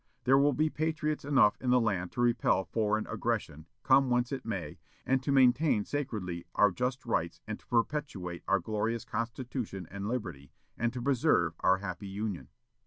There will be patriots enough in the land to repel foreign aggression, come whence it may, and to maintain sacredly our just rights and to perpetuate our glorious constitution and liberty, and to preserve our happy Union."